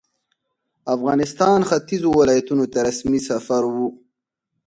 افغانستان ختیځو ولایتونو ته رسمي سفر وو.